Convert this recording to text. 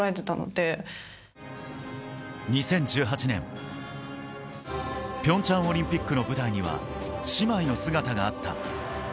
２０１８年、ピョンチャンオリンピックの舞台には姉妹の姿があった。